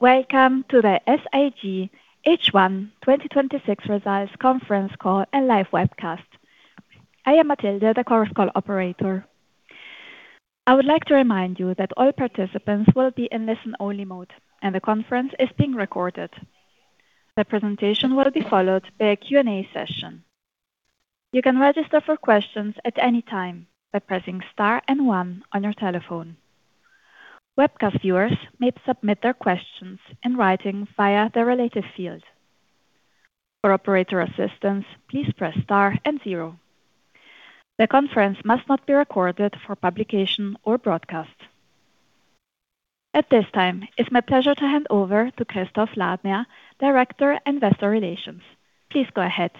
Welcome to the SIG H1 2026 results conference call and live webcast. I am Matilde, the Chorus Call operator. I would like to remind you that all participants will be in listen-only mode, and the conference is being recorded. The presentation will be followed by a Q&A session. You can register for questions at any time by pressing star and one on your telephone. Webcast viewers may submit their questions in writing via the related field. For operator assistance, please press star and zero. The conference must not be recorded for publication or broadcast. At this time, it's my pleasure to hand over to Christoph Ladner, Director, Investor Relations. Please go ahead.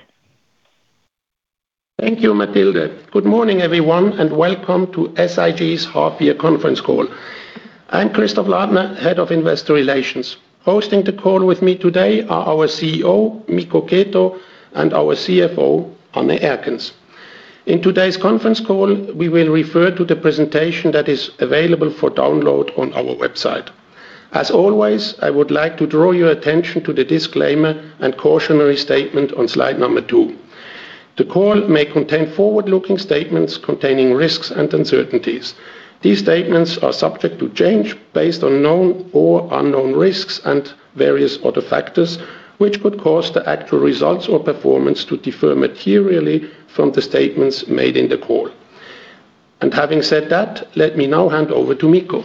Thank you, Matilde. Good morning, everyone, and welcome to SIG's half-year conference call. I'm Christoph Ladner, Head of Investor Relations. Hosting the call with me today are our CEO, Mikko Keto, and our CFO, Anne Erkens. In today's conference call, we will refer to the presentation that is available for download on our website. As always, I would like to draw your attention to the disclaimer and cautionary statement on slide number two. The call may contain forward-looking statements containing risks and uncertainties. These statements are subject to change based on known or unknown risks and various other factors, which could cause the actual results or performance to differ materially from the statements made in the call. Having said that, let me now hand over to Mikko.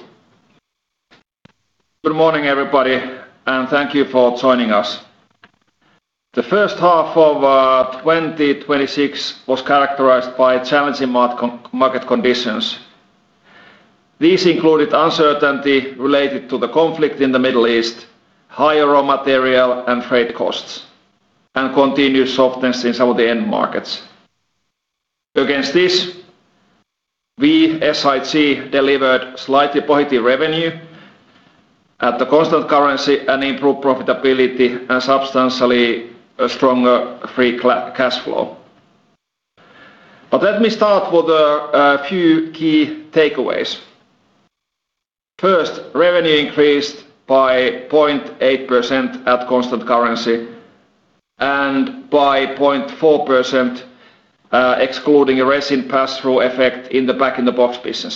Good morning, everybody, and thank you for joining us. The first half of 2026 was characterized by challenging market conditions. These included uncertainty related to the conflict in the Middle East, higher raw material and freight costs, and continued softness in some of the end markets. Against this, we, SIG, delivered slightly positive revenue at constant currency and improved profitability and substantially a stronger free cash flow. Let me start with a few key takeaways. First, revenue increased by 0.8% at constant currency and by 0.4% excluding a resin pass-through effect in the bag-in-box business.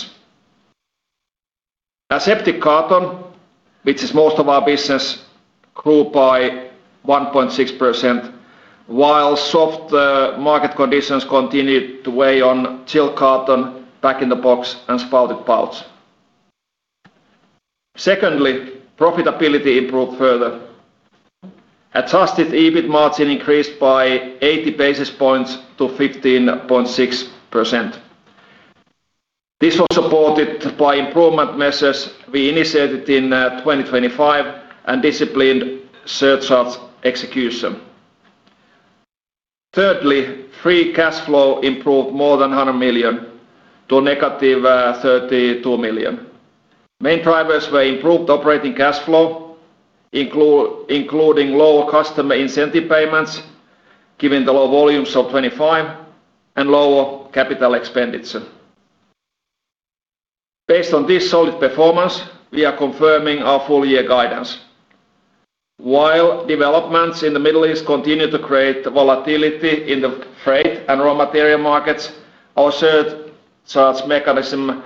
aseptic carton, which is most of our business, grew by 1.6%, while soft market conditions continued to weigh on Chilled Carton, bag-in-box, and spouted pouch. Secondly, profitability improved further. Adjusted EBIT margin increased by 80 basis points to 15.6%. This was supported by improvement measures we initiated in 2025 and disciplined surcharges execution. Thirdly, free cash flow improved more than 100 million to -32 million. Main drivers were improved operating cash flow, including lower customer incentive payments, given the low volumes of 2025 and lower capital expenditure. Based on this solid performance, we are confirming our full year guidance. While developments in the Middle East continue to create volatility in the freight and raw material markets, our surcharge mechanism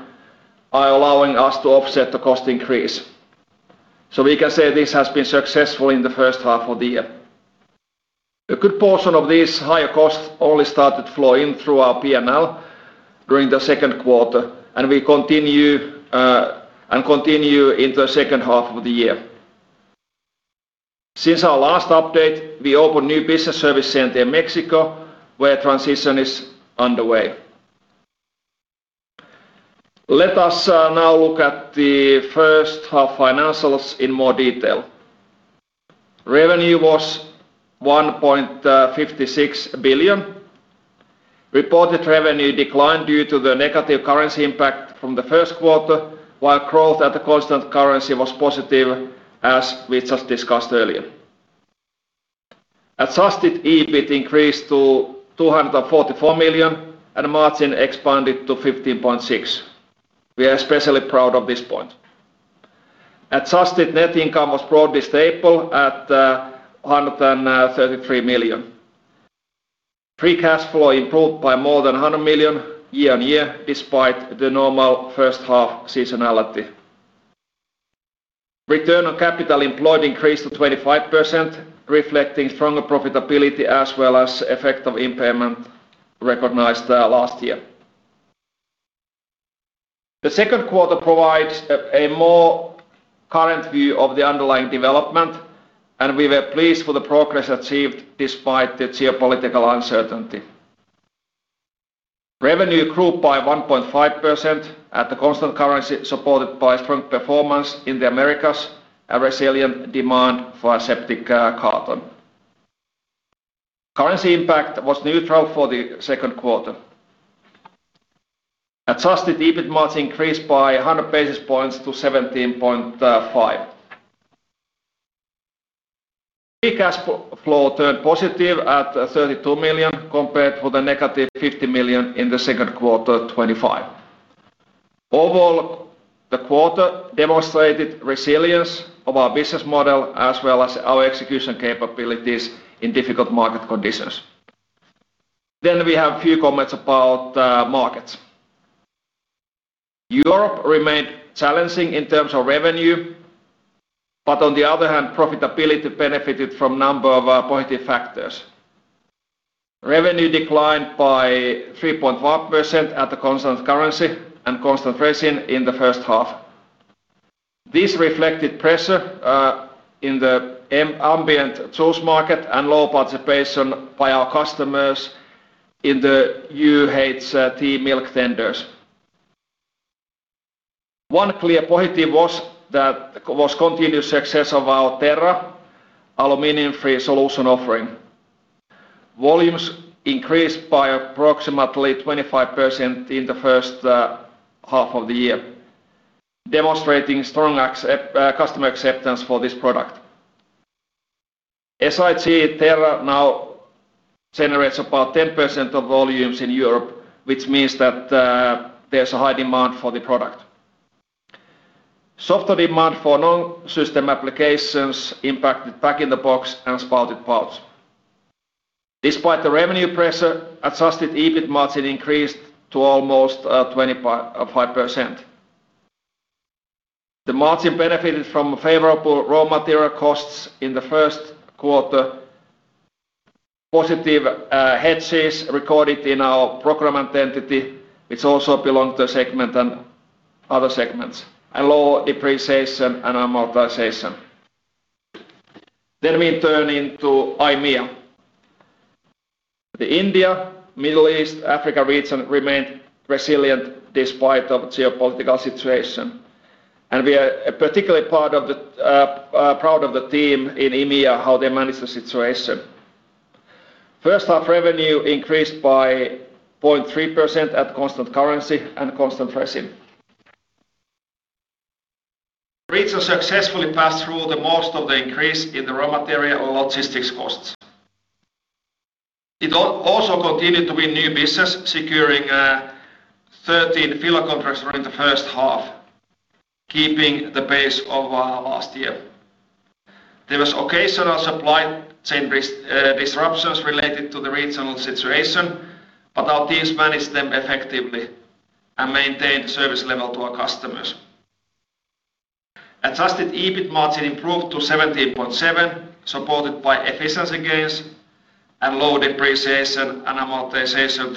are allowing us to offset the cost increase. We can say this has been successful in the first half of the year. A good portion of these higher costs only started flowing through our P&L during the second quarter and continue into the second half of the year. Since our last update, we opened a new business service center in Mexico, where transition is underway. Let us now look at the first half financials in more detail. Revenue was 1.56 billion. Reported revenue declined due to the negative currency impact from the first quarter, while growth at the constant currency was positive, as we just discussed earlier. Adjusted EBIT increased to 244 million, and margin expanded to 15.6%. We are especially proud of this point. Adjusted net income was broadly stable at 133 million. Free cash flow improved by more than 100 million year-on-year, despite the normal first half seasonality. Return on capital employed increased to 25%, reflecting stronger profitability as well as effect of impairment recognized last year. We were pleased with the progress achieved despite the geopolitical uncertainty. Revenue grew by 1.5% at the constant currency supported by strong performance in the Americas and resilient demand for aseptic carton. Currency impact was neutral for the second quarter. Adjusted EBIT margin increased by 100 basis points to 17.5%. Free cash flow turned positive at 32 million compared to the -50 million in the second quarter 2025. Overall, the quarter demonstrated resilience of our business model as well as our execution capabilities in difficult market conditions. We have a few comments about markets. Europe remained challenging in terms of revenue. On the other hand, profitability benefited from a number of positive factors. Revenue declined by 3.1% at the constant currency and constant pricing in the first half. This reflected pressure in the ambient juice market and low participation by our customers in the UHT milk tenders. One clear positive was the continued success of our Terra aluminum-free solution offering. Volumes increased by approximately 25% in the first half of the year, demonstrating strong customer acceptance for this product. SIG Terra now generates about 10% of volumes in Europe, which means that there is a high demand for the product. Softer demand for non-system applications impacted bag-in-box and spouted pouch. Despite the revenue pressure, adjusted EBIT margin increased to almost 25%. The margin benefited from favorable raw material costs in the first quarter, positive hedges recorded in our program entity, which also belong to other segments, and low depreciation and amortization. We turn into IMEA. The India, Middle East, Africa region remained resilient despite the geopolitical situation. We are particularly proud of the team in IMEA, how they managed the situation. First half revenue increased by 0.3% at constant currency and constant pricing. Region successfully passed through the most of the increase in the raw material logistics costs. It also continued to win new business, securing 13 filler contracts during the first half, keeping the pace of last year. There was occasional supply chain disruptions related to the regional situation. Our teams managed them effectively and maintained service level to our customers. Adjusted EBIT margin improved to 17.7%, supported by efficiency gains and low depreciation and amortization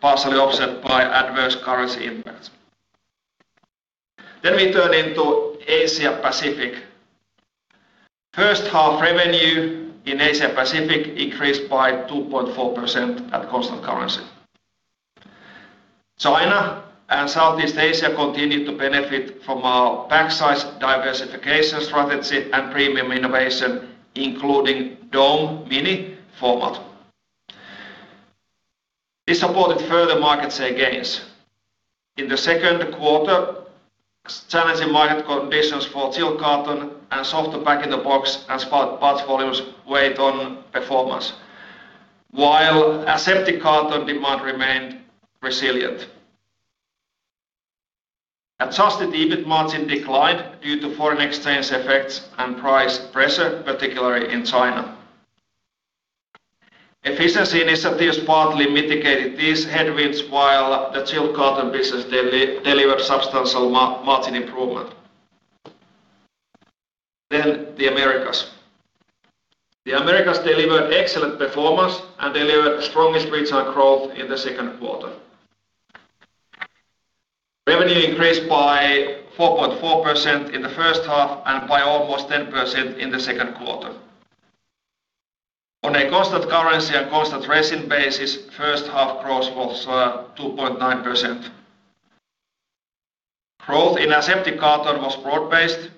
partially offset by adverse currency impacts. Let me turn into Asia Pacific. First half revenue in Asia Pacific increased by 2.4% at constant currency. China and Southeast Asia continued to benefit from our pack size diversification strategy and premium innovation, including SIG DomeMini format. This supported further market share gains. In the second quarter, challenging market conditions for chilled carton and softer bag-in-box and spouted pouch portfolios weighed on performance, while aseptic carton demand remained resilient. Adjusted EBIT margin declined due to foreign exchange effects and price pressure, particularly in China. Efficiency initiatives partly mitigated these headwinds, while the Chilled Carton business delivered substantial margin improvement. The Americas. The Americas delivered excellent performance and delivered the strongest regional growth in the second quarter. Revenue increased by 4.4% in the first half and by almost 10% in the second quarter. On a constant currency and constant pricing basis, first half growth was 2.9%. Growth in aseptic carton was broad-based.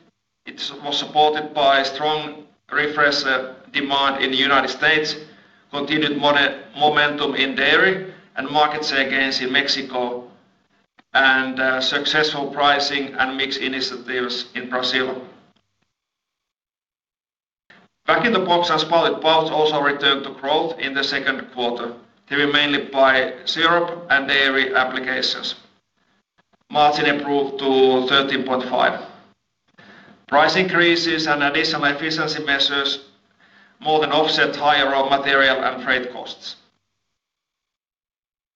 It was supported by strong refresh demand in the U.S., continued momentum in dairy and market share gains in Mexico, and successful pricing and mix initiatives in Brazil. Bag-in-box and spouted pouch also returned to growth in the second quarter, driven mainly by syrup and dairy applications. Margin improved to 13.5%. Price increases and additional efficiency measures more than offset higher raw material and freight costs.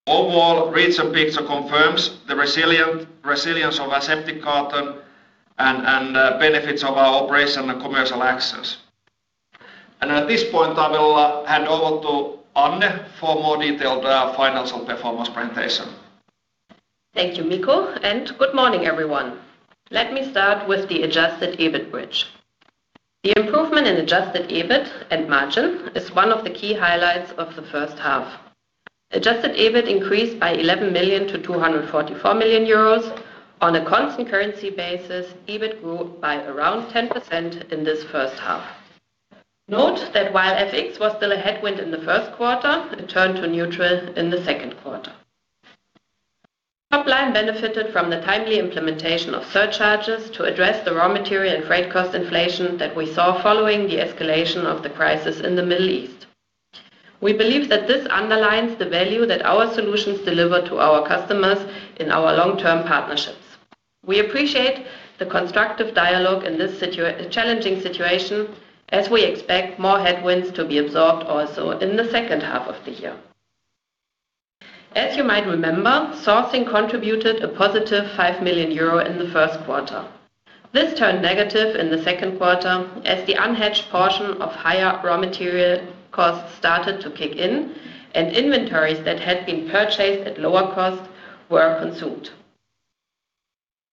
Overall, regional picture confirms the resilience of aseptic carton and benefits of our operation and commercial access. At this point, I will hand over to Anne for more detailed financial performance presentation. Thank you, Mikko, and good morning, everyone. Let me start with the adjusted EBIT bridge. The improvement in adjusted EBIT and margin is one of the key highlights of the first half. Adjusted EBIT increased by 11 million-244 million euros. On a constant currency basis, EBIT grew by around 10% in this first half. Note that while FX was still a headwind in the first quarter, it turned to neutral in the second quarter. Topline benefited from the timely implementation of surcharges to address the raw material and freight cost inflation that we saw following the escalation of the crisis in the Middle East. We believe that this underlines the value that our solutions deliver to our customers in our long-term partnerships. We appreciate the constructive dialogue in this challenging situation, as we expect more headwinds to be absorbed also in the second half of the year. As you might remember, sourcing contributed a positive 5 million euro in the first quarter. This turned negative in the second quarter as the unhedged portion of higher raw material costs started to kick in and inventories that had been purchased at lower cost were consumed.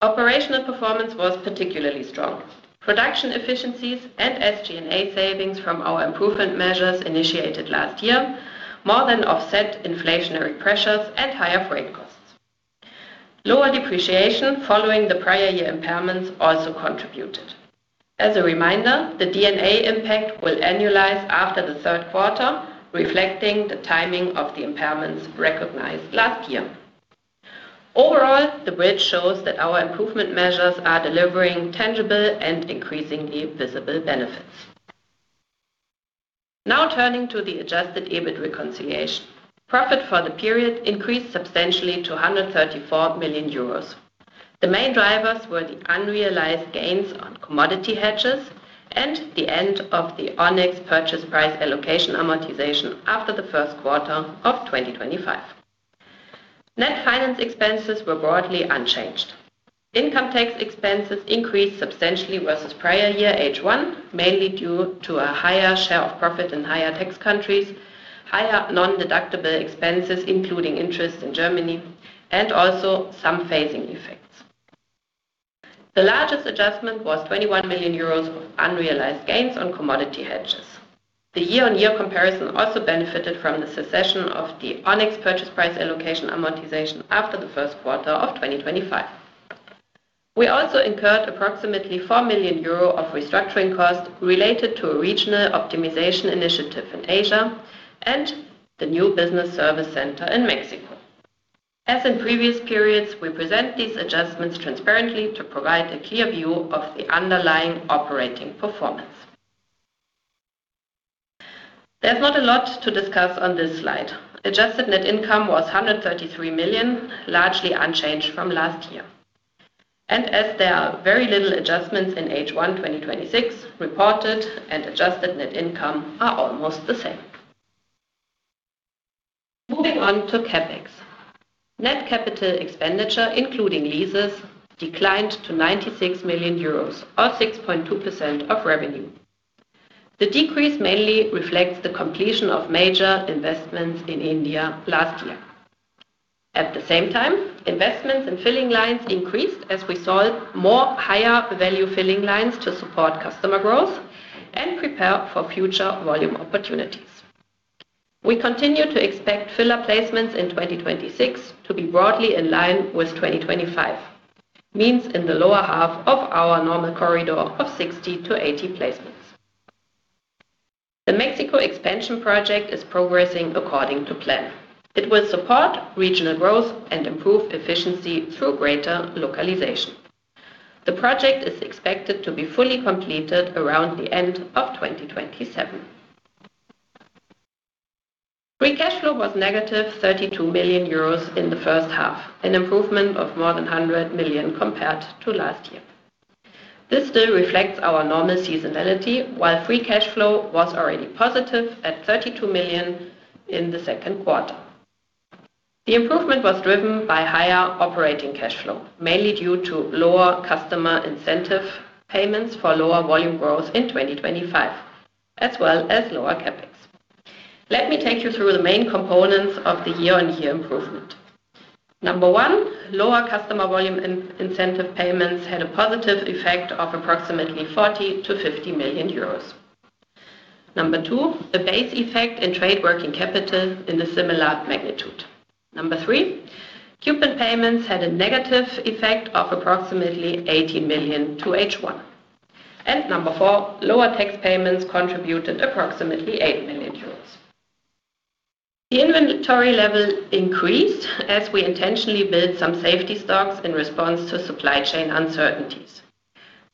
Operational performance was particularly strong. Production efficiencies and SG&A savings from our improvement measures initiated last year, more than offset inflationary pressures and higher freight costs. Lower depreciation following the prior year impairments also contributed. As a reminder, the D&A impact will annualize after the third quarter, reflecting the timing of the impairments recognized last year. Overall, the bridge shows that our improvement measures are delivering tangible and increasingly visible benefits. Turning to the adjusted EBIT reconciliation. Profit for the period increased substantially to 134 million euros. The main drivers were the unrealized gains on commodity hedges and the end of the Onex purchase price allocation amortization after the first quarter of 2025. Net finance expenses were broadly unchanged. Income tax expenses increased substantially versus prior year H1, mainly due to a higher share of profit in higher tax countries, higher non-deductible expenses, including interest in Germany, and also some phasing effects. The largest adjustment was 21 million euros of unrealized gains on commodity hedges. The year-on-year comparison also benefited from the cessation of the Onex purchase price allocation amortization after the first quarter of 2025. We also incurred approximately 4 million euro of restructuring costs related to a regional optimization initiative in Asia and the new business service center in Mexico. As in previous periods, we present these adjustments transparently to provide a clear view of the underlying operating performance. There's not a lot to discuss on this slide. Adjusted net income was 133 million, largely unchanged from last year. As there are very little adjustments in H1 2026, reported and adjusted net income are almost the same. Moving on to CapEx. Net capital expenditure, including leases, declined to 96 million euros, or 6.2% of revenue. The decrease mainly reflects the completion of major investments in India last year. At the same time, investments in filling lines increased as we sold more higher value filling lines to support customer growth and prepare for future volume opportunities. We continue to expect filler placements in 2026 to be broadly in line with 2025. Means in the lower half of our normal corridor of 60-80 placements. The Mexico expansion project is progressing according to plan. It will support regional growth and improve efficiency through greater localization. The project is expected to be fully completed around the end of 2027. Free cash flow was -32 million euros in the first half, an improvement of more than 100 million compared to last year. This still reflects our normal seasonality, while free cash flow was already positive at 32 million in the second quarter. The improvement was driven by higher operating cash flow, mainly due to lower customer incentive payments for lower volume growth in 2025, as well as lower CapEx. Let me take you through the main components of the year-on-year improvement. Number one, lower customer volume incentive payments had a positive effect of approximately 40 million-50 million euros. Number two, the base effect in trade working capital in a similar magnitude. Number three, coupon payments had a negative effect of approximately 18 million to H1. Number four, lower tax payments contributed approximately 8 million euros. The inventory level increased as we intentionally built some safety stocks in response to supply chain uncertainties.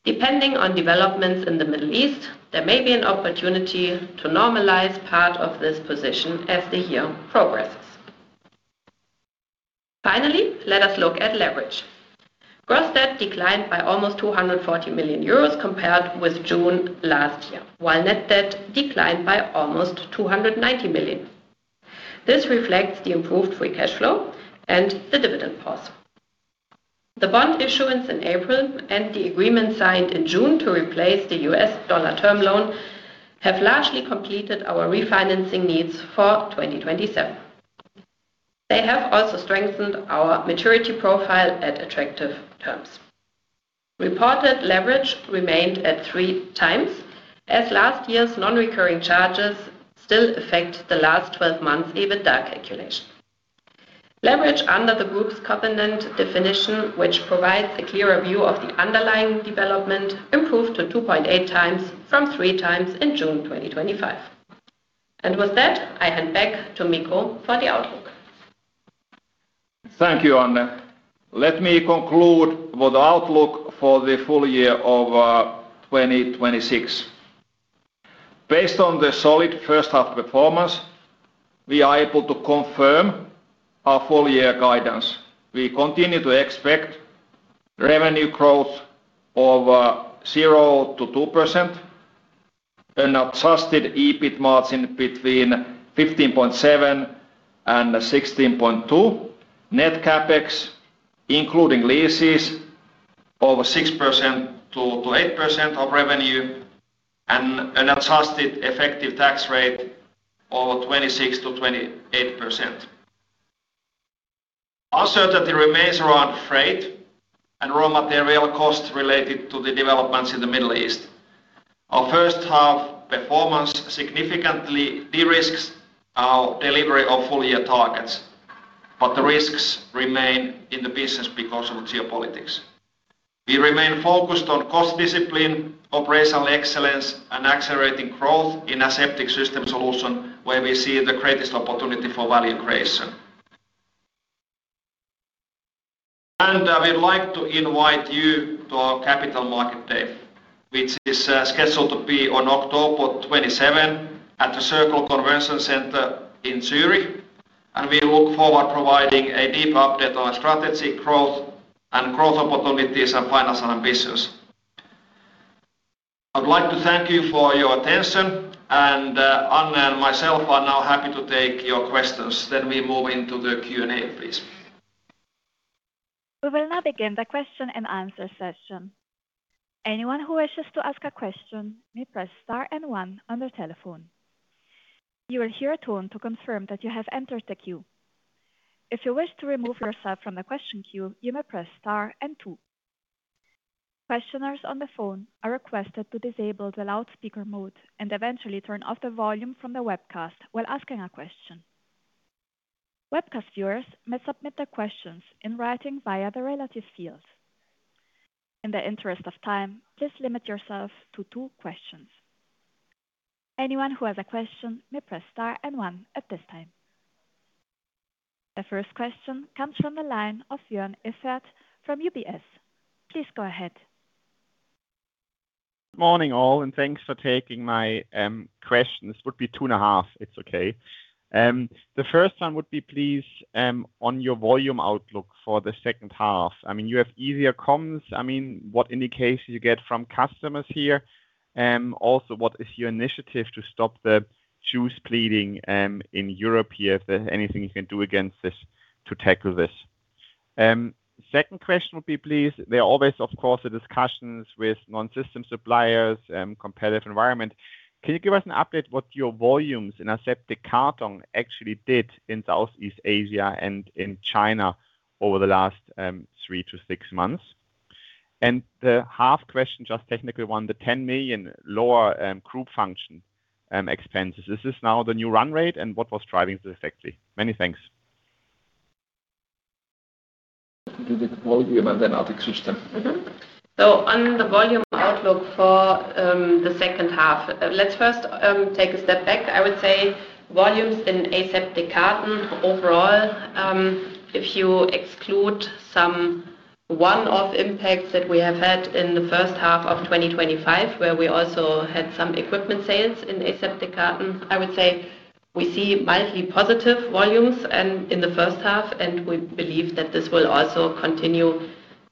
Depending on developments in the Middle East, there may be an opportunity to normalize part of this position as the year progresses. Finally, let us look at leverage. Gross debt declined by almost 240 million euros compared with June last year, while net debt declined by almost 290 million. This reflects the improved free cash flow and the dividend pause. The bond issuance in April and the agreement signed in June to replace the US dollar term loan have largely completed our refinancing needs for 2027. They have also strengthened our maturity profile at attractive terms. Reported leverage remained at 3x, as last year's non-recurring charges still affect the last 12 months EBITDA calculation. Leverage under the group's covenant definition, which provides a clearer view of the underlying development, improved to 2.8x from 3x in June 2025. With that, I hand back to Mikko for the outlook. Thank you, Anne. Let me conclude with the outlook for the full year of 2026. Based on the solid first half performance, we are able to confirm our full year guidance. We continue to expect revenue growth of 0%-2%, an adjusted EBIT margin between 15.7% and 16.2%, net CapEx including leases of 6%-8% of revenue, and an adjusted effective tax rate of 26%-28%. Uncertainty remains around freight and raw material costs related to the developments in the Middle East. Our first half performance significantly de-risks our delivery of full year targets, but the risks remain in the business because of geopolitics. We remain focused on cost discipline, operational excellence, and accelerating growth in aseptic system solution, where we see the greatest opportunity for value creation. We'd like to invite you to our Capital Market Day, which is scheduled to be on October 27 at The Circle Convention Center in Zurich. We look forward providing a deep update on strategy growth and growth opportunities and financial ambitions. I would like to thank you for your attention, and Anne and myself are now happy to take your questions. We move into the Q&A, please. We will now begin the question-and-answer session. Anyone who wishes to ask a question may press star and one on their telephone. You will hear a tone to confirm that you have entered the queue. If you wish to remove yourself from the question queue, you may press star and two. Questioners on the phone are requested to disable the loudspeaker mode and eventually turn off the volume from the webcast while asking a question. Webcast viewers may submit their questions in writing via the relative fields. In the interest of time, please limit yourself to two questions. Anyone who has a question may press star and one at this time. The first question comes from the line of Joern Iffert from UBS. Please go ahead. Morning all, thanks for taking my question. This would be two and a half, it's okay. The first one would be please, on your volume outlook for the second half. You have easier comms, what indications you get from customers here, also, what is your initiative to stop the juice bleeding in Europe here, if there's anything you can do against this to tackle this? Second question would be, please, there are always, of course, the discussions with non-system suppliers, competitive environment. Can you give us an update what your volumes in aseptic carton actually did in Southeast Asia and in China over the last three to six months? The half question, just technically one, the 10 million lower group function expenses. Is this now the new run rate, and what was driving this actually? Many thanks. The volume other system. On the volume outlook for the second half, let's first take a step back. I would say volumes in aseptic carton overall, if you exclude some one-off impacts that we have had in the first half of 2025, where we also had some equipment sales in aseptic carton, I would say we see mildly positive volumes in the first half, and we believe that this will also continue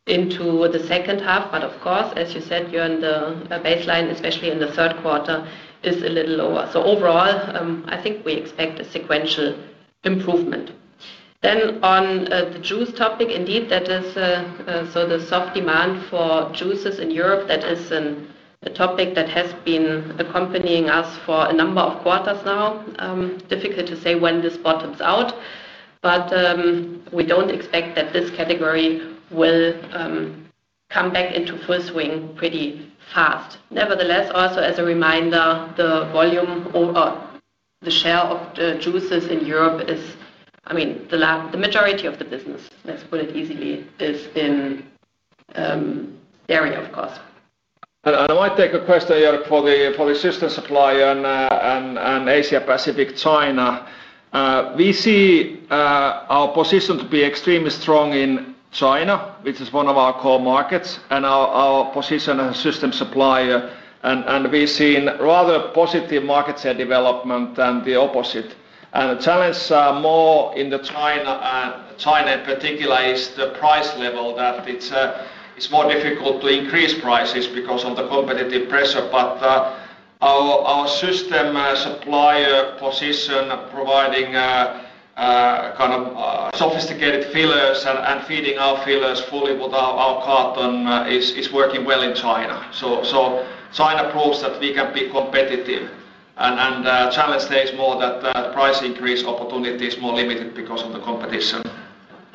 into the second half. Of course, as you said, Joern, the baseline, especially in the third quarter, is a little lower. Overall, I think we expect a sequential improvement. On the juice topic, indeed, the soft demand for juices in Europe, that is a topic that has been accompanying us for a number of quarters now. Difficult to say when this bottoms out, but we don't expect that this category will come back into full swing pretty fast. Nevertheless, also as a reminder, the share of the juices in Europe is the majority of the business, let's put it easily, is in the area, of course. I might take a question here for the system supplier and Asia Pacific China. We see our position to be extremely strong in China, which is one of our core markets, and our position as system supplier, and we've seen rather positive market share development than the opposite. The challenge more in China in particular is the price level, that it's more difficult to increase prices because of the competitive pressure. Our system supplier position, providing sophisticated fillers and feeding our fillers fully with our carton, is working well in China. China proves that we can be competitive, and the challenge there is more that the price increase opportunity is more limited because of the competition.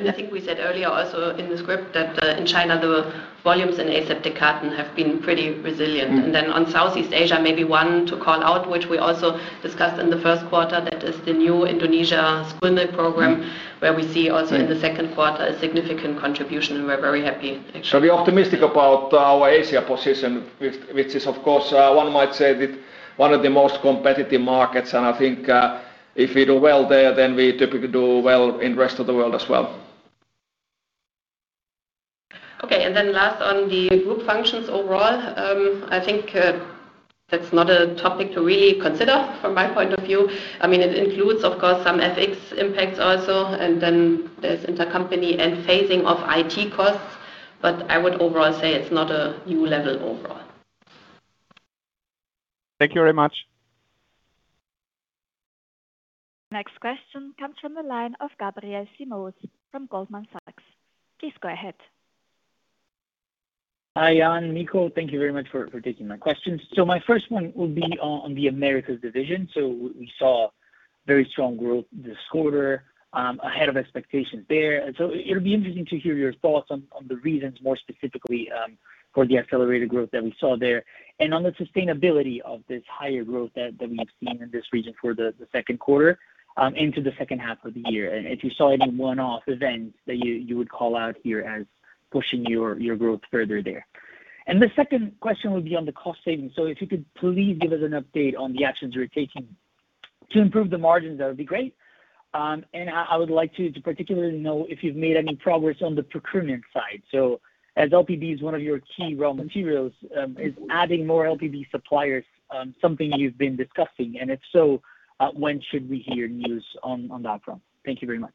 I think we said earlier also in the script that in China, the volumes in aseptic carton have been pretty resilient. On Southeast Asia, maybe one to call out, which we also discussed in the first quarter, that is the new Indonesia skimmed milk program, where we see also in the second quarter a significant contribution, and we're very happy actually. We're optimistic about our Asia position, which is, of course, one might say, one of the most competitive markets, and I think if we do well there, then we typically do well in rest of the world as well. Last on the group functions overall, I think that's not a topic to really consider from my point of view. It includes, of course, some FX impacts also, and then there's intercompany and phasing of IT costs, but I would overall say it's not a new level overall. Thank you very much. Next question comes from the line of Gabriel Simoes from Goldman Sachs. Please go ahead. Hi, Anne, Mikko, thank you very much for taking my questions. My first one will be on the Americas division. We saw very strong growth this quarter, ahead of expectations there. It will be interesting to hear your thoughts on the reasons more specifically for the accelerated growth that we saw there and on the sustainability of this higher growth that we've seen in this region for the second quarter into the second half of the year. If you saw any one-off events that you would call out here as pushing your growth further there. The second question would be on the cost savings. If you could please give us an update on the actions you're taking to improve the margins, that would be great. I would like to particularly know if you've made any progress on the procurement side. As LPB is one of your key raw materials, is adding more LPB suppliers something you've been discussing, and if so, when should we hear news on that front? Thank you very much.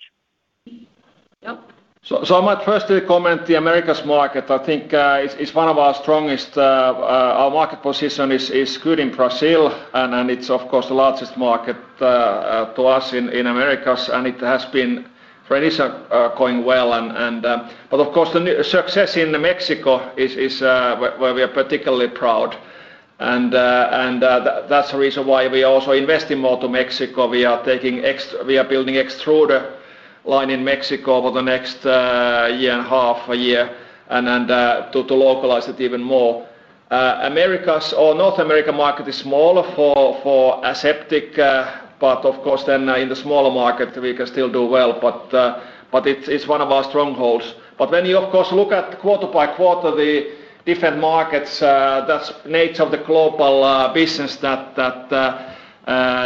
Yep. I might first comment the Americas market. I think it's one of our strongest. Our market position is good in Brazil, and it's of course the largest market to us in Americas, and it has been for years going well. Of course, the success in Mexico is where we are particularly proud. That's the reason why we also invest in more to Mexico. We are building extruder line in Mexico over the next year and a half, a year, and to localize it even more. Americas or North America market is smaller for aseptic. Of course then, in the smaller market, we can still do well, but it's one of our strongholds. When you, of course, look at quarter by quarter the different markets, that's nature of the global business that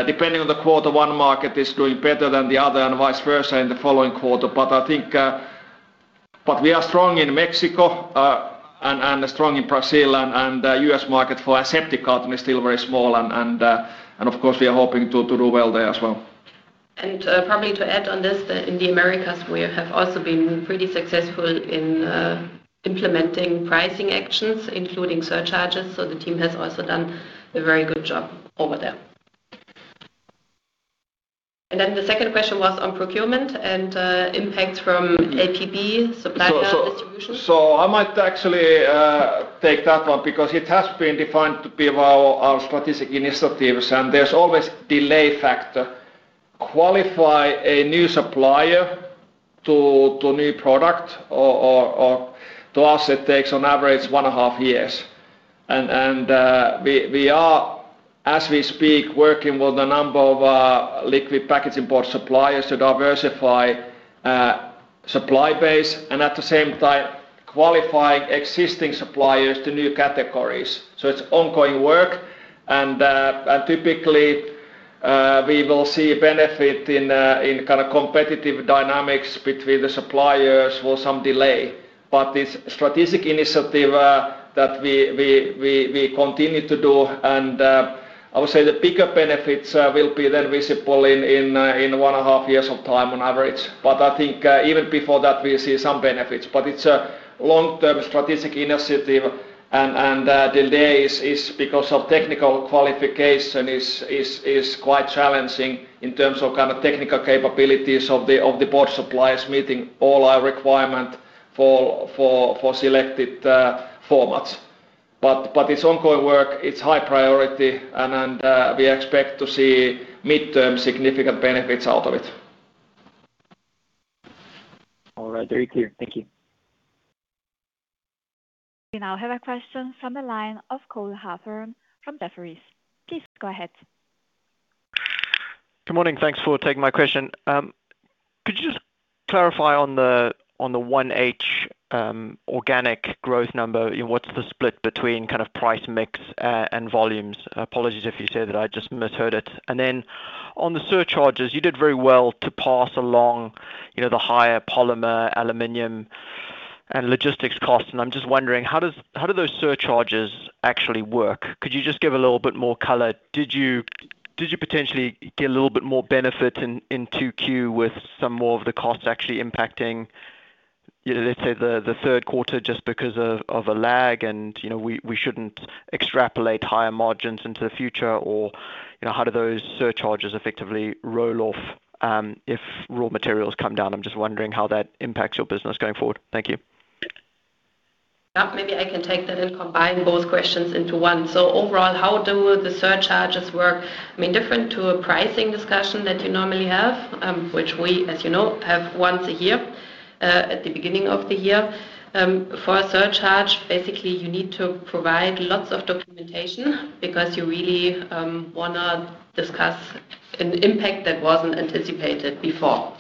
depending on the quarter, one market is doing better than the other and vice versa in the following quarter. We are strong in Mexico and strong in Brazil and U.S. market for aseptic carton is still very small and of course we are hoping to do well there as well. Probably to add on this, that in the Americas, we have also been pretty successful in implementing pricing actions, including surcharges. The team has also done a very good job over there. Then the second question was on procurement and impacts from LPB supplier distribution. I might actually take that one because it has been defined to be our strategic initiatives, and there's always delay factor. Qualify a new supplier to new product or to us, it takes on average one and a half years. We are, as we speak, working with a number of liquid packaging board suppliers to diversify supply base and at the same time qualifying existing suppliers to new categories. It's ongoing work and typically, we will see benefit in competitive dynamics between the suppliers with some delay. This strategic initiative that we continue to do, and I would say the bigger benefits will be then visible in one and a half years of time on average. I think even before that, we'll see some benefits, but it's a long-term strategic initiative and delay is because of technical qualification is quite challenging in terms of technical capabilities of the board suppliers meeting all our requirement for selected formats. It's ongoing work, it's high priority, and we expect to see midterm significant benefits out of it. All right. Very clear. Thank you. We now have a question from the line of Cole Hathorn from Jefferies. Please go ahead. Good morning. Thanks for taking my question. Could you just clarify on the 1H organic growth number, what's the split between price mix, and volumes? Apologies if you said that I just misheard it. Then on the surcharges, you did very well to pass along the higher polymer, aluminum, and logistics costs. I'm just wondering how do those surcharges actually work? Could you just give a little bit more color? Did you potentially get a little bit more benefit in 2Q with some more of the costs actually impacting, let's say the third quarter just because of a lag and we shouldn't extrapolate higher margins into the future or how do those surcharges effectively roll off if raw materials come down? I'm just wondering how that impacts your business going forward. Thank you. Maybe I can take that and combine both questions into one. Overall, how do the surcharges work? Different to a pricing discussion that you normally have, which we, as you know, have once a year, at the beginning of the year. For a surcharge, basically, you need to provide lots of documentation because you really want to discuss an impact that wasn't anticipated before.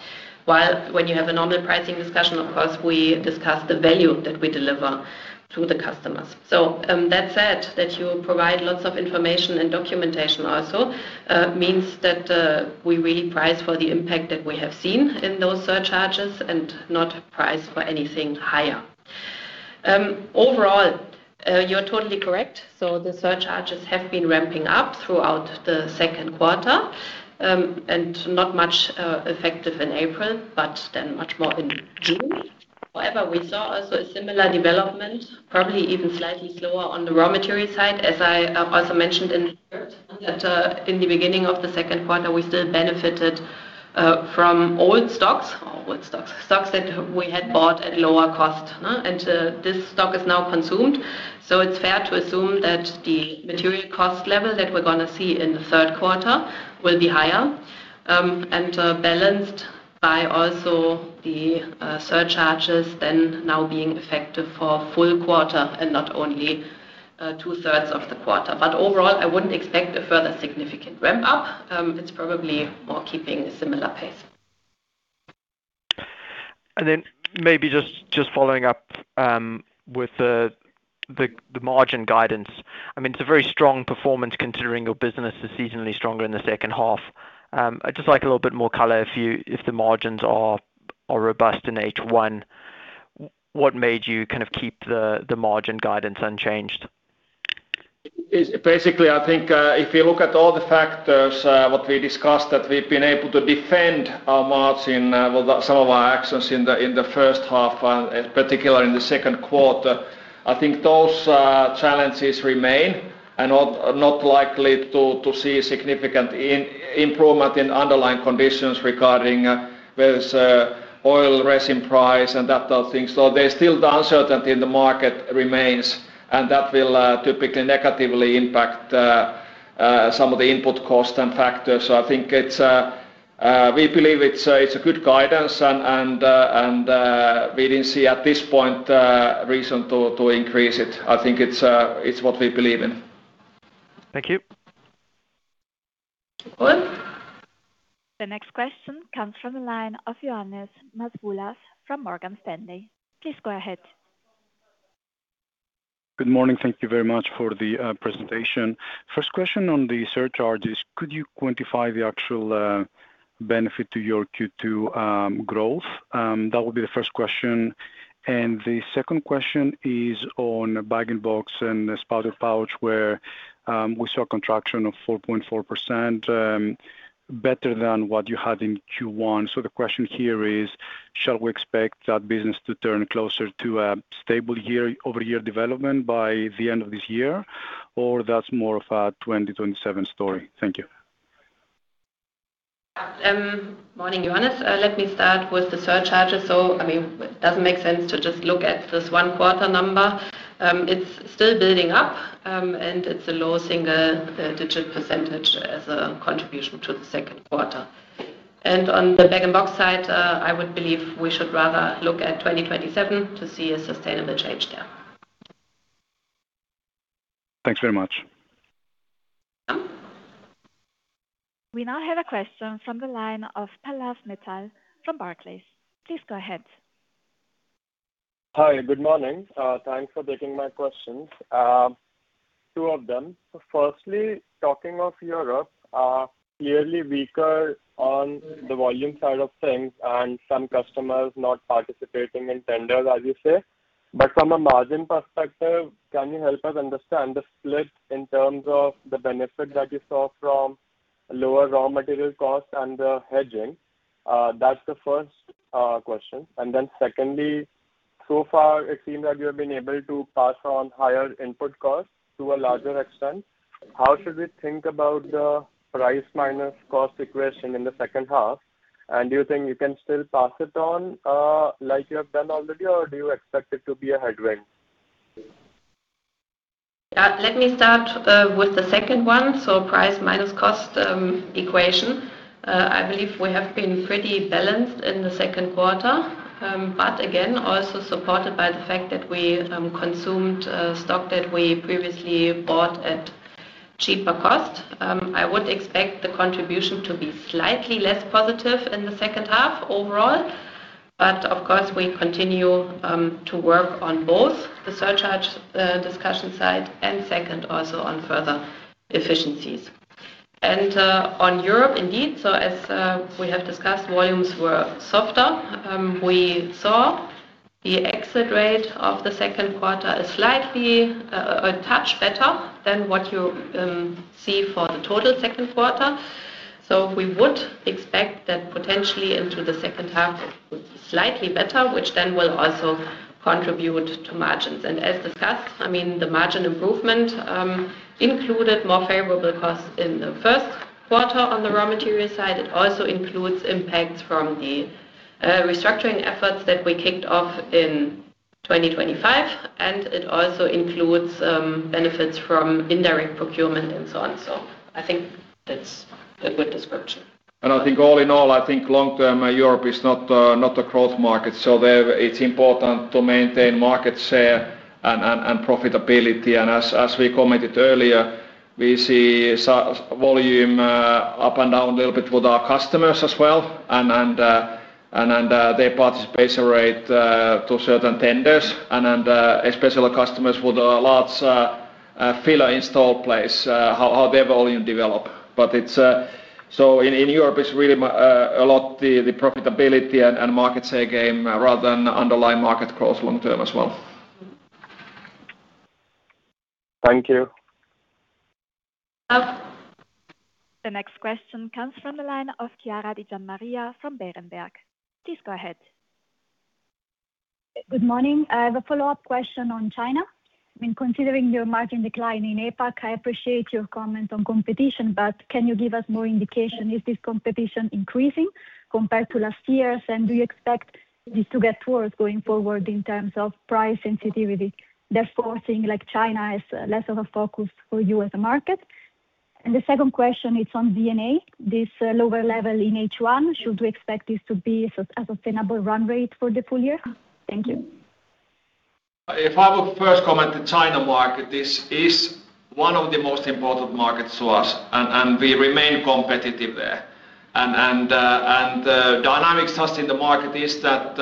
While when you have a normal pricing discussion, of course, we discuss the value that we deliver to the customers. That said that you provide lots of information and documentation also means that we really price for the impact that we have seen in those surcharges and not price for anything higher. Overall, you're totally correct. The surcharges have been ramping up throughout the second quarter, not much effective in April, but much more in June. We saw also a similar development, probably even slightly slower on the raw material side, as I also mentioned in the script, that in the beginning of the second quarter, we still benefited from old stocks, or stocks that we had bought at lower cost. This stock is now consumed. It's fair to assume that the material cost level that we're going to see in the third quarter will be higher, balanced by also the surcharges now being effective for a full quarter and not only two-thirds of the quarter. Overall, I wouldn't expect a further significant ramp up. It's probably more keeping a similar pace. Maybe just following up with the margin guidance. It's a very strong performance considering your business is seasonally stronger in the second half. I'd just like a little bit more color if the margins are robust in H1, what made you keep the margin guidance unchanged? Basically, I think if you look at all the factors, what we discussed, that we've been able to defend our margin, well, some of our actions in the first half, and particular in the second quarter, I think those challenges remain and not likely to see significant improvement in underlying conditions regarding various oil resin price and that type of thing. There's still the uncertainty in the market remains, and that will typically negatively impact some of the input cost and factors. I think we believe it's a good guidance and we didn't see at this point a reason to increase it. I think it's what we believe in. Thank you. No problem. The next question comes from the line of Ioannis Masvoulas from Morgan Stanley. Please go ahead. Good morning. Thank you very much for the presentation. First question on the surcharges, could you quantify the actual benefit to your Q2 growth? That would be the first question. The second question is on bag-in-box and spouted pouch where we saw a contraction of 4.4%, better than what you had in Q1. The question here is, shall we expect that business to turn closer to a stable year-over-year development by the end of this year, or that's more of a 2027 story? Thank you. Morning, Ioannis. Let me start with the surcharges. It doesn't make sense to just look at this one quarter number. It's still building up, and it's a low single digit % as a contribution to the second quarter. On the bag-in-box side, I would believe we should rather look at 2027 to see a sustainable change there. Thanks very much. Welcome. We now have a question from the line of Pallav Mittal from Barclays. Please go ahead. Hi, good morning. Thanks for taking my questions, two of them. Firstly, talking of Europe, clearly weaker on the volume side of things and some customers not participating in tenders, as you say. From a margin perspective, can you help us understand the split in terms of the benefit that you saw from lower raw material cost and the hedging? That's the first question. Secondly, so far it seems that you have been able to pass on higher input costs to a larger extent. How should we think about the price minus cost equation in the second half? Do you think you can still pass it on like you have done already, or do you expect it to be a headwind? Let me start with the second one. Price minus cost equation. I believe we have been pretty balanced in the second quarter. Again, also supported by the fact that we consumed stock that we previously bought at cheaper cost. I would expect the contribution to be slightly less positive in the second half overall. Of course, we continue to work on both the surcharge discussion side and second, also on further efficiencies. On Europe, indeed. As we have discussed, volumes were softer. We saw the exit rate of the second quarter is slightly a touch better than what you see for the total second quarter. We would expect that potentially into the second half, it would be slightly better, which then will also contribute to margins. As discussed, the margin improvement included more favorable costs in the first quarter on the raw material side. It also includes impacts from the restructuring efforts that we kicked off in 2025, and it also includes benefits from indirect procurement and so on. I think that's a good description. I think all in all, I think long-term, Europe is not a growth market. There it's important to maintain market share and profitability. As we commented earlier, we see volume up and down a little bit with our customers as well and their participation rate to certain tenders. Especially customers with large Filler install base, how their volume develop. In Europe, it's really a lot the profitability and market share game rather than underlying market growth long term as well. Thank you. The next question comes from the line of Chiara Di Giammaria from Berenberg. Please go ahead. Good morning. I have a follow-up question on China. Considering your margin decline in APAC, I appreciate your comment on competition, but can you give us more indication, is this competition increasing compared to last year's? Do you expect this to get worse going forward in terms of price sensitivity, therefore, seeing like China as less of a focus for you as a market? The second question is on D&A, this lower level in H1. Should we expect this to be a sustainable run rate for the full year? Thank you. If I would first comment, the China market, this is one of the most important markets to us, and we remain competitive there. The dynamics just in the market is that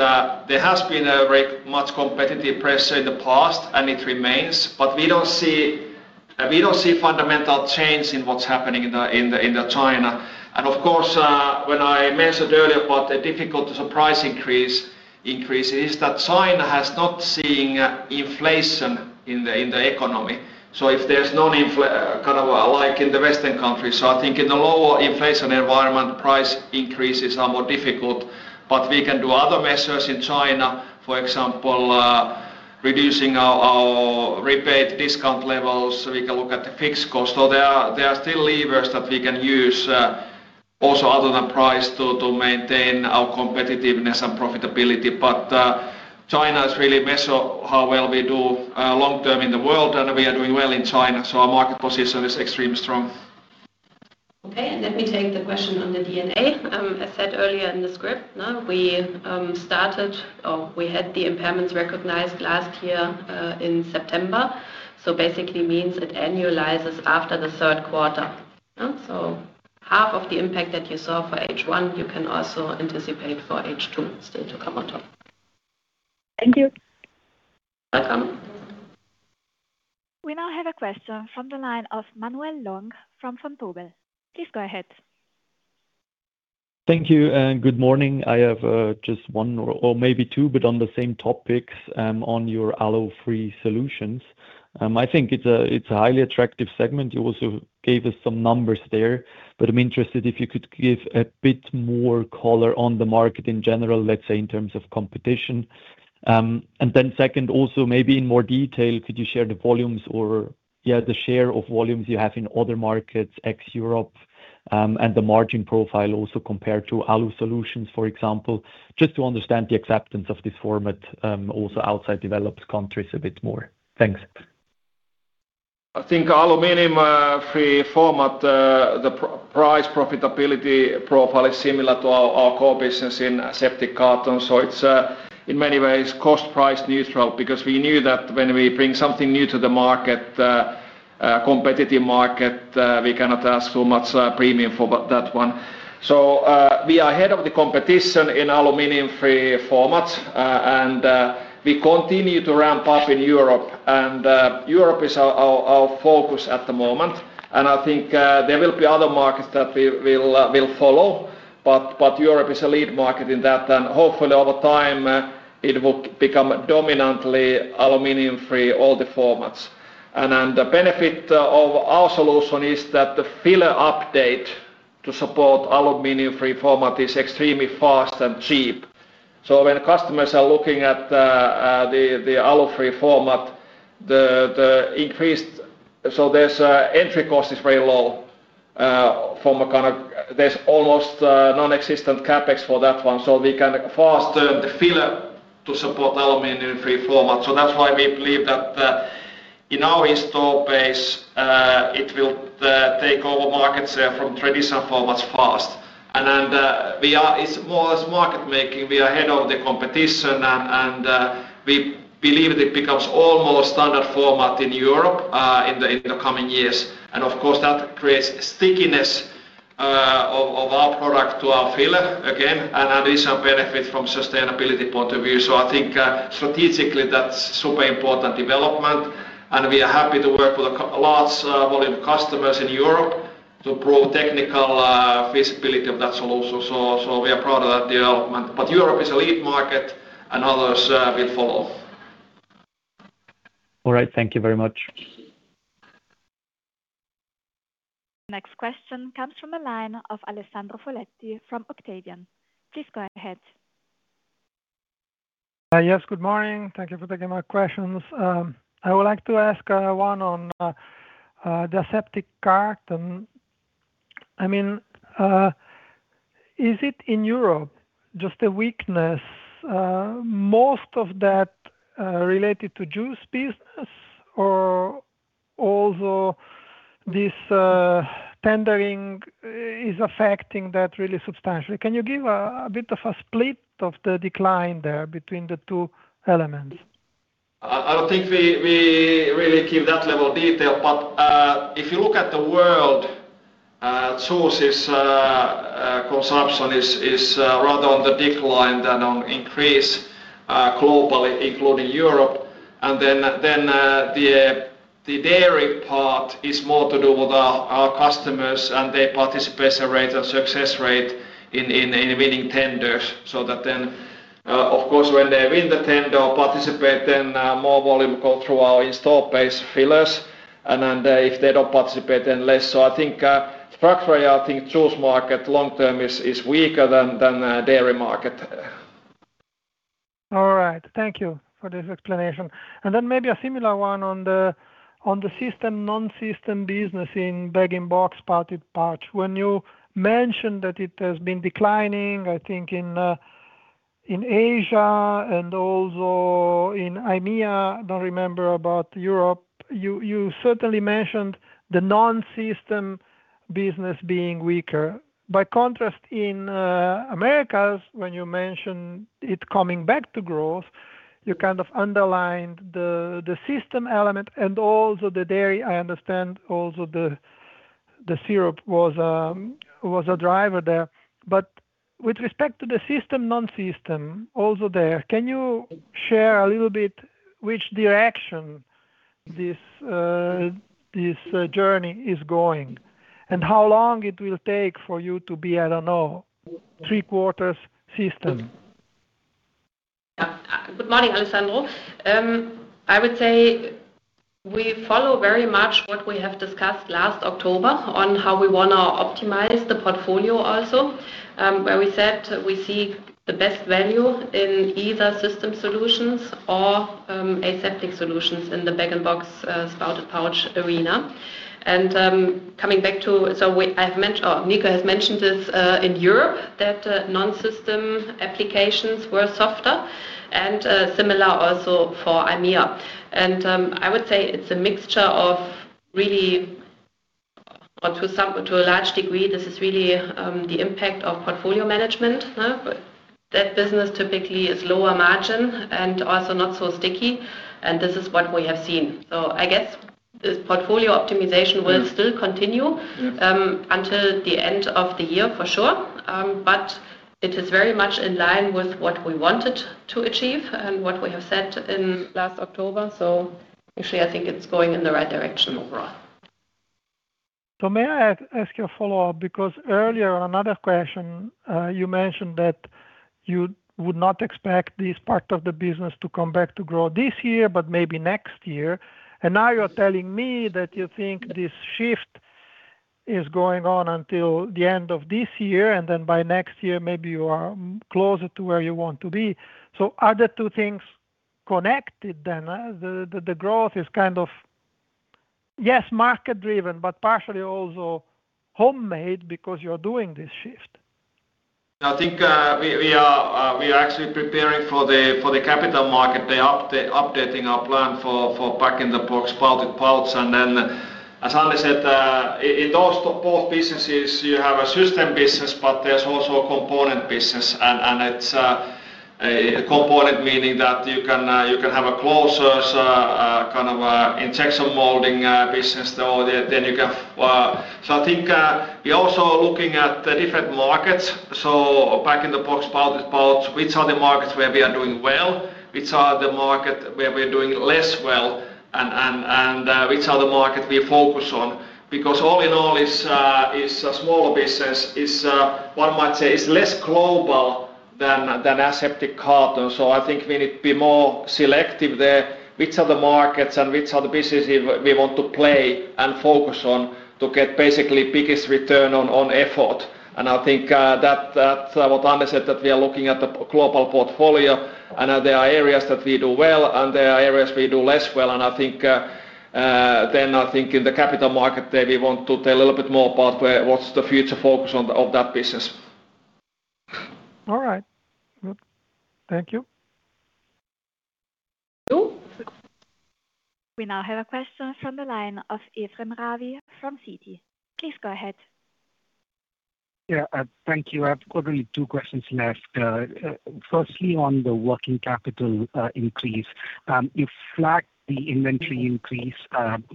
there has been a very much competitive pressure in the past, and it remains, but we don't see a fundamental change in what's happening in the China. Of course, when I mentioned earlier about the difficulty to price increase is that China has not seen inflation in the economy. If there's no, like in the Western countries, I think in the lower inflation environment, price increases are more difficult. We can do other measures in China, for example, reducing our rebate discount levels. We can look at the fixed cost. There are still levers that we can use also other than price to maintain our competitiveness and profitability. China is really a measure of how well we do long term in the world, and we are doing well in China, so our market position is extremely strong. Okay, let me take the question on the D&A. I said earlier in the script, we had the impairments recognized last year in September. Basically means it annualizes after the third quarter. Half of the impact that you saw for H1, you can also anticipate for H2 still to come on top. Thank you. Welcome. We now have a question from the line of Manuel Lang from Vontobel. Please go ahead. Thank you, good morning. I have just one or maybe two, but on the same topics on your Alu-free solutions. I think it's a highly attractive segment. You also gave us some numbers there, but I am interested if you could give a bit more color on the market in general, let's say in terms of competition. Then second, also maybe in more detail, could you share the volumes or the share of volumes you have in other markets, ex-Europe, and the margin profile also compared to Alu solutions, for example? Just to understand the acceptance of this format also outside developed countries a bit more. Thanks. I think aluminum-free format, the price profitability profile is similar to our core business in aseptic carton. It's in many ways cost-price neutral because we knew that when we bring something new to the market, competitive market, we cannot ask too much premium for that one. We are ahead of the competition in aluminum-free format, and we continue to ramp up in Europe. Europe is our focus at the moment. I think there will be other markets that we'll follow, but Europe is a lead market in that. Hopefully, over time it will become dominantly aluminum free, all the formats. The benefit of our solution is that the filler update to support aluminum-free format is extremely fast and cheap. When customers are looking at the alu-free format, the entry cost is very low. There's almost non-existent CapEx for that one. We can fast turn the filler to support the aluminum-free format. That's why we believe that in our install base, it will take over markets from traditional formats fast. It's more as market-making. We are ahead of the competition, and we believe it becomes almost standard format in Europe in the coming years. Of course, that creates stickiness of our product to our filler, again, and additional benefit from sustainability point of view. I think strategically that's super important development, and we are happy to work with a large volume of customers in Europe to prove technical feasibility of that solution. We are proud of that development. Europe is a lead market, and others will follow. All right. Thank you very much. Next question comes from the line of Alessandro Foletti from Octavian. Please go ahead. Yes, good morning. Thank you for taking my questions. I would like to ask one on the aseptic carton. Is it in Europe just a weakness, most of that related to juice business or also this tendering is affecting that really substantially? Can you give a bit of a split of the decline there between the two elements? I don't think we really give that level of detail. If you look at the world, juice's consumption is rather on the decline than on increase globally, including Europe. The dairy part is more to do with our customers and their participation rate and success rate in winning tenders so that, of course, when they win the tender or participate, then more volume go through our install base fillers. If they don't participate, then less. I think structurally, I think juice market long term is weaker than dairy market. All right. Thank you for this explanation. Maybe a similar one on the system, non-system business in bag-in-box pouch. When you mentioned that it has been declining, I think in Asia and also in IMEA, I don't remember about Europe, you certainly mentioned the non-system business being weaker. By contrast, in Americas, when you mentioned it coming back to growth, you kind of underlined the system element and also the dairy, I understand also the syrup was a driver there. With respect to the system, non-system also there, can you share a little bit which direction this journey is going and how long it will take for you to be, I don't know, three-quarters system? Yeah. Good morning, Alessandro. I would say we follow very much what we have discussed last October on how we want to optimize the portfolio also, where we said we see the best value in either system solutions or aseptic solutions in the bag-in-box spouted pouch arena. Coming back to, Mikko has mentioned this in Europe, that non-system applications were softer and similar also for IMEA. I would say it's a mixture of really, or to a large degree, this is really the impact of portfolio management. That business typically is lower margin and also not so sticky, and this is what we have seen. I guess this portfolio optimization will still continue until the end of the year for sure. It is very much in line with what we wanted to achieve and what we have said in last October. Actually, I think it's going in the right direction overall. May I ask you a follow-up? Earlier, another question, you mentioned that you would not expect this part of the business to come back to grow this year, but maybe next year. Now you're telling me that you think this shift is going on until the end of this year, and then by next year, maybe you are closer to where you want to be. Are the two things connected then? The growth is kind of, yes, market-driven, but partially also homemade because you're doing this shift. I think we are actually preparing for the capital market, updating our plan for bag-in-box pouched products. Then as Anne said, in those both businesses, you have a system business, but there's also a component business. It's a component meaning that you can have a closer kind of injection molding business, then you can. I think we are also looking at the different markets. Bag-in-box pouched products, which are the markets where we are doing well, which are the market where we are doing less well and which are the market we focus on. All in all, it's a smaller business. One might say it's less global than aseptic carton. I think we need to be more selective there, which are the markets and which are the businesses we want to play and focus on to get basically biggest return on effort. I think that what Anne said, that we are looking at the global portfolio, there are areas that we do well, and there are areas we do less well. Then I think in the capital market there, we want to tell a little bit more about what's the future focus of that business. All right. Good. Thank you. Thank you. We now have a question from the line of Ephrem Ravi from Citi. Please go ahead. Yeah. Thank you. I've got only two questions left. Firstly, on the working capital increase, you flagged the inventory increase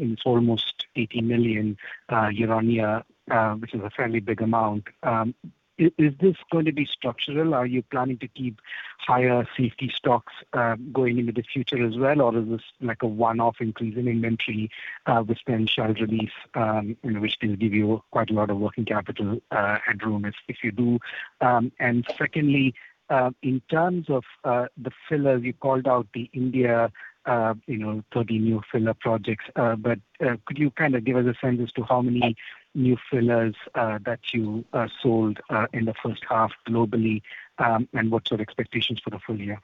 in almost 80 million, which is a fairly big amount. Is this going to be structural? Are you planning to keep higher safety stocks going into the future as well, or is this like a one-off increase in inventory with the initial release, which then give you quite a lot of working capital headroom if you do? Secondly, in terms of the fillers, you called out the India 30 new filler projects, but could you kind of give us a sense as to how many new fillers that you sold in the first half globally, and what's your expectations for the full year?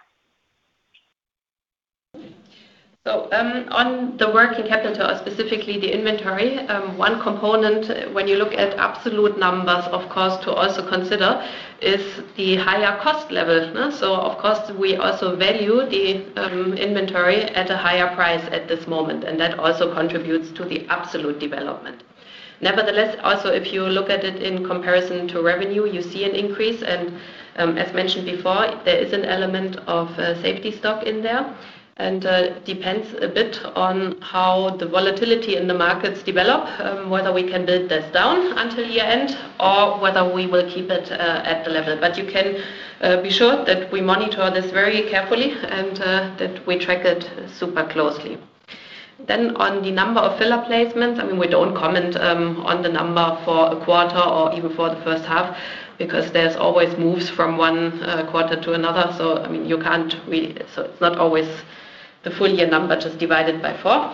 On the working capital, specifically the inventory, one component when you look at absolute numbers, of course, to also consider is the higher cost level. Of course, we also value the inventory at a higher price at this moment, and that also contributes to the absolute development. Nevertheless, also if you look at it in comparison to revenue, you see an increase, and as mentioned before, there is an element of safety stock in there. Depends a bit on how the volatility in the markets develop, whether we can build this down until year-end or whether we will keep it at the level. You can be sure that we monitor this very carefully and that we track it super closely. On the number of filler placements, we don't comment on the number for a quarter or even for the first half, because there's always moves from one quarter to another. It's not always the full year number just divided by four.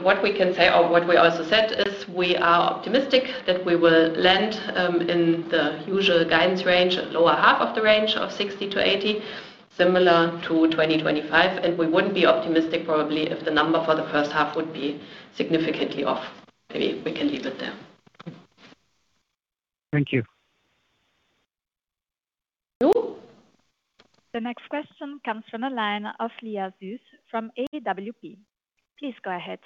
What we can say or what we also said is we are optimistic that we will land in the usual guidance range, lower half of the range of 60-80, similar to 2025. We wouldn't be optimistic probably if the number for the first half would be significantly off. Maybe we can leave it there. Thank you. Thank you. The next question comes from the line of Leah Zeuss from AWP. Please go ahead.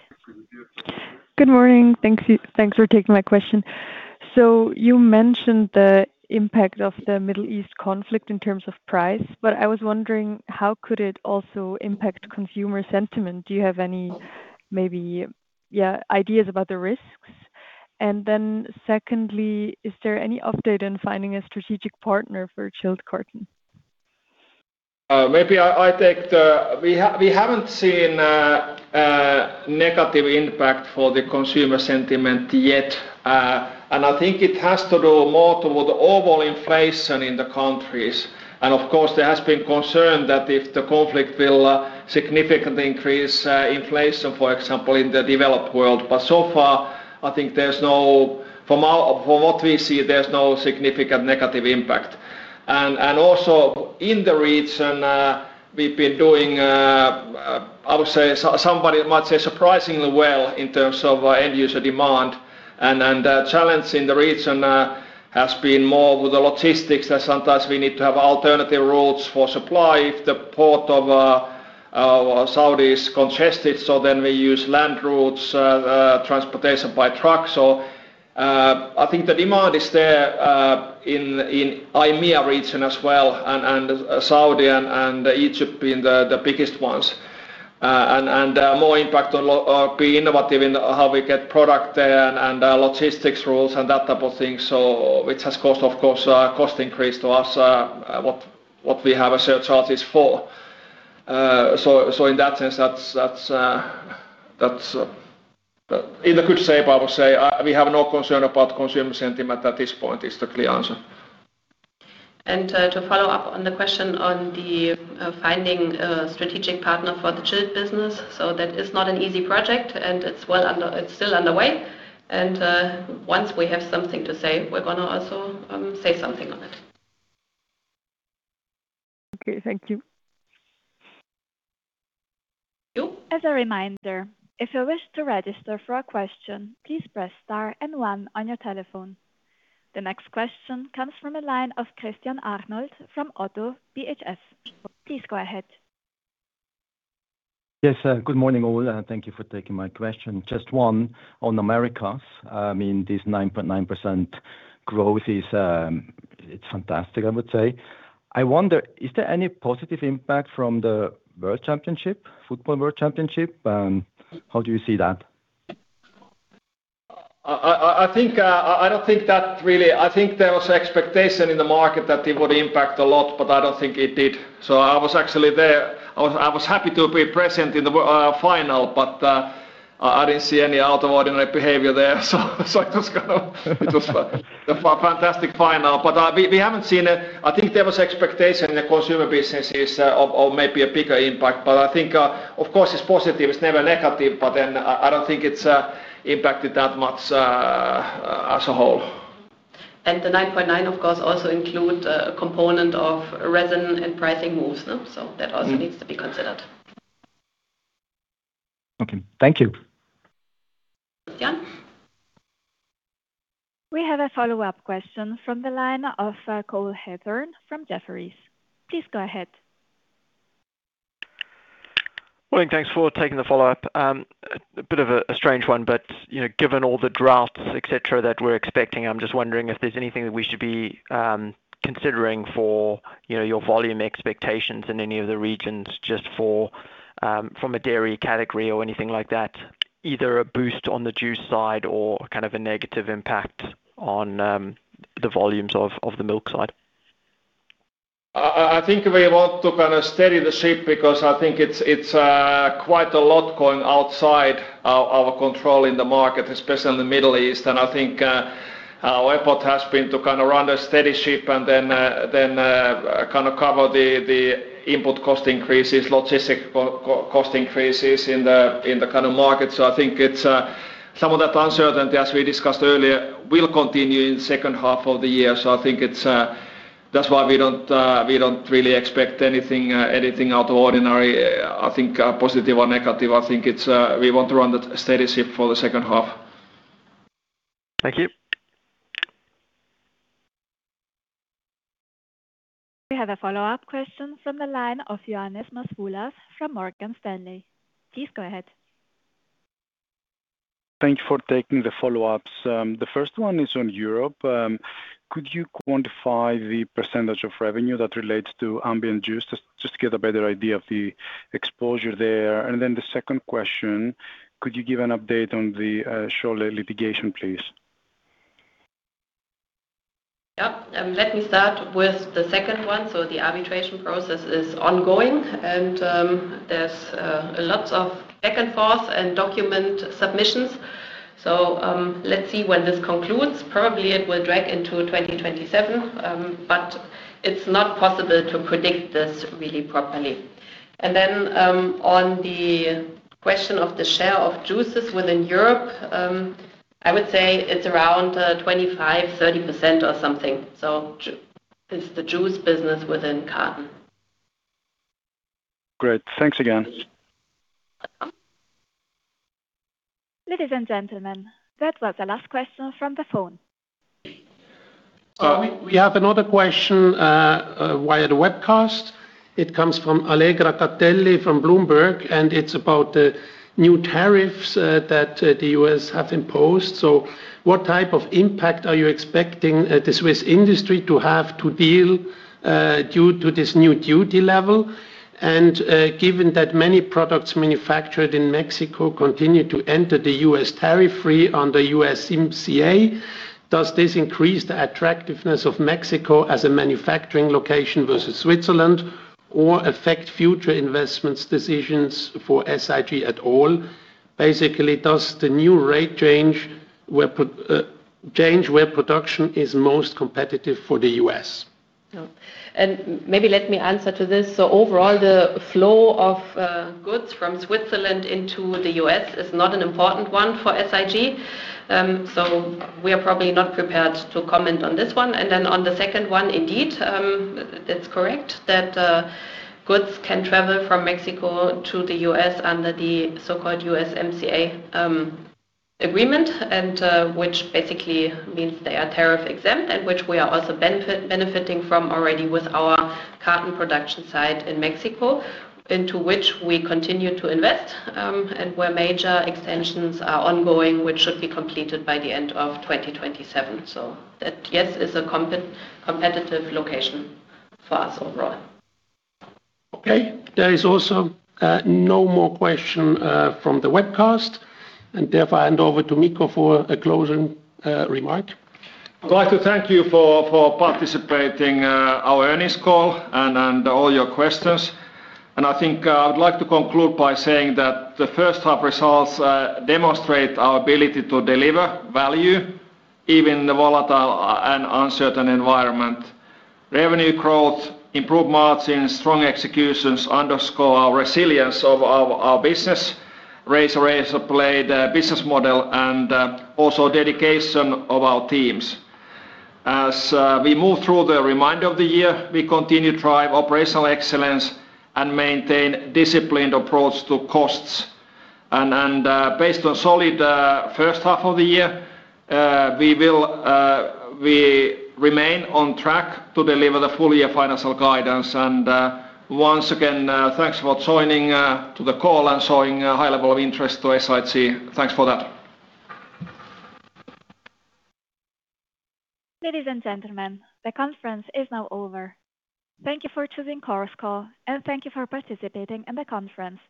Good morning. Thanks for taking my question. You mentioned the impact of the Middle East conflict in terms of price, I was wondering how could it also impact consumer sentiment? Do you have any maybe ideas about the risks? Secondly, is there any update in finding a strategic partner for Chilled Carton? We haven't seen negative impact for the consumer sentiment yet. I think it has to do more toward the overall inflation in the countries. Of course, there has been concern that if the conflict will significantly increase inflation, for example, in the developed world. So far, I think from what we see, there's no significant negative impact. Also in the region, we've been doing, somebody might say surprisingly well in terms of end user demand. Challenge in the region has been more with the logistics that sometimes we need to have alternative routes for supply if the port of Saudi is congested. Then we use land routes, transportation by truck. I think the demand is there in IMEA region as well and Saudi and Egypt being the biggest ones. More impact on being innovative in how we get product there and logistics rules and that type of thing. Which has cost, of course, cost increase to us, what we have surcharges for. In that sense, that's in the good shape, I would say. We have no concern about consumer sentiment at this point is the clear answer. To follow-up on the question on the finding a strategic partner for the chilled business. That is not an easy project, and it's still underway. Once we have something to say, we're going to also say something on it. Okay. Thank you. Thank you. As a reminder, if you wish to register for a question, please press star and one on your telephone. The next question comes from the line of Christian Arnold from ODDO BHF. Please go ahead. Yes. Good morning, all. Thank you for taking my question. Just one on Americas. This 9.9% growth is fantastic, I would say. I wonder, is there any positive impact from the World Championship, Football World Championship? How do you see that? I think there was expectation in the market that it would impact a lot, but I don't think it did. I was actually there. I was happy to be present in the final, but I didn't see any out of ordinary behavior there. It was a fantastic final. We haven't seen it. I think there was expectation in the consumer businesses of maybe a bigger impact. I think, of course it's positive, it's never negative, but then I don't think it's impacted that much as a whole. The 9.9 of course also include a component of resin and pricing moves. That also needs to be considered. Okay. Thank you. Welcome. We have a follow-up question from the line of Cole Hathorn from Jefferies. Please go ahead. Morning. Thanks for taking the follow-up. A bit of a strange one, given all the droughts, et cetera that we're expecting, I'm just wondering if there's anything that we should be considering for your volume expectations in any of the regions just from a dairy category or anything like that, either a boost on the juice side or a negative impact on the volumes of the milk side. I think we want to steady the ship because I think it's quite a lot going outside our control in the market, especially in the Middle East. I think our effort has been to run a steady ship and then cover the input cost increases, logistic cost increases in the market. I think it's some of that uncertainty, as we discussed earlier, will continue in second half of the year. I think that's why we don't really expect anything out of ordinary, I think positive or negative. I think we want to run the steady ship for the second half. Thank you. We have a follow-up question from the line of Ioannis Masvoulas from Morgan Stanley. Please go ahead. Thank you for taking the follow-ups. The first one is on Europe. Could you quantify the percentage of revenue that relates to ambient juice? Just to get a better idea of the exposure there. The second question, could you give an update on the Scholle litigation, please? Yep. Let me start with the second one. The arbitration process is ongoing and there's lots of back and forth and document submissions. Let's see when this concludes. Probably it will drag into 2027, but it's not possible to predict this really properly. On the question of the share of juices within Europe, I would say it's around 25%, 30% or something. It's the juice business within carton. Great. Thanks again. Ladies and gentlemen, that was the last question from the phone. We have another question via the webcast. It comes from Allegra Catelli from Bloomberg. What type of impact are you expecting the Swiss industry to have to deal due to this new duty level? Given that many products manufactured in Mexico continue to enter the U.S. tariff free under USMCA, does this increase the attractiveness of Mexico as a manufacturing location versus Switzerland or affect future investments decisions for SIG at all? Basically, does the new rate change where production is most competitive for the U.S.? Maybe let me answer to this. Overall, the flow of goods from Switzerland into the U.S. is not an important one for SIG. We are probably not prepared to comment on this one. Then on the second one, indeed, it's correct that goods can travel from Mexico to the U.S. under the so-called USMCA agreement, and which basically means they are tariff exempt, and which we are also benefiting from already with our carton production site in Mexico, into which we continue to invest, and where major extensions are ongoing, which should be completed by the end of 2027. That, yes, is a competitive location for us overall. Okay. There is also no more question from the webcast, therefore I hand over to Mikko for a closing remark. I'd like to thank you for participating our earnings call and all your questions. I think I would like to conclude by saying that the first half results demonstrate our ability to deliver value even in the volatile and uncertain environment. Revenue growth, improved margins, strong executions underscore our resilience of our business, race-to-race play the business model, also dedication of our teams. As we move through the remainder of the year, we continue to drive operational excellence and maintain disciplined approach to costs. Based on solid first half of the year, we remain on track to deliver the full year financial guidance. Once again, thanks for joining to the call and showing a high level of interest to SIG. Thanks for that. Ladies and gentlemen, the conference is now over. Thank you for choosing Chorus Call and thank you for participating in the conference.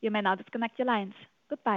You may now disconnect your lines. Goodbye.